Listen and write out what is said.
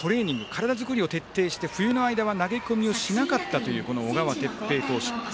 体作りを徹底して、冬の間は投げ込みをしなかったというこの小川哲平投手。